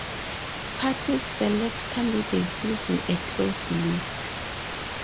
Parties select candidates using a closed list.